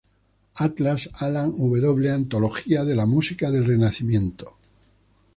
Atlas, Alan W. "Antología de la música del Renacimiento".